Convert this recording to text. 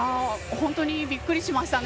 本当にびっくりしましたね。